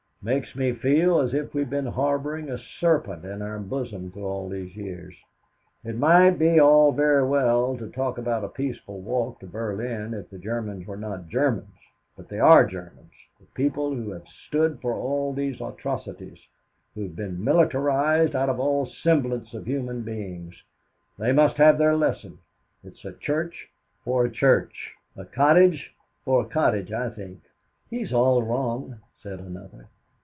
"Makes me feel as if we'd been harboring a serpent in our bosom through all these years. It might be all very well to talk about a peaceful walk to Berlin if the Germans were not Germans, but they are Germans, the people who have stood for all these atrocities, who have been militarized out of all semblance to human beings, they must have their lesson. It's a church for a church, a cottage for a cottage, I think." "He's all wrong," said another.